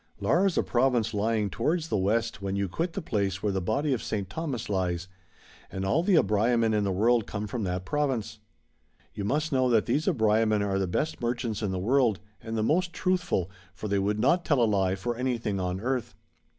Lak is a IVovincc lying towards the west when yoii quit tlic place where the Body of St. Thomas lies ; and all the Ahraiaman in the world coiik lioni tiiat province.' Chap. XX. THE BRAHMANS. 299 You must know that these Abraiaman are the best merchants in the world, and the most truthful, for they would not tell a lie for anything on earth.